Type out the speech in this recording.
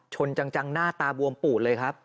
ชนจังหน้าตาบวมปูดเลยครับ